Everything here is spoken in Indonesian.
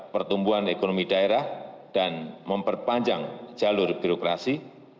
pertumbuhan ekonomi daerah dan memperpanjang jalur birokrasi